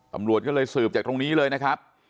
ตำรวจก็เลยสืบจากตรงนี้เลยนะครับ